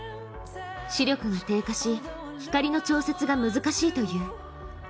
視力が低下し、光の調節が難しいという。